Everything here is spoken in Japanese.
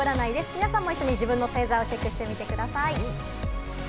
皆さんも一緒に自分の星座をチェックしてみてください。